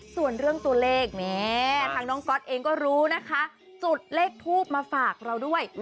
ส่วนเรื่องตัวเลขแม่ทางน้องก๊อตเองก็รู้นะคะจุดเลขทูบมาฝากเราด้วย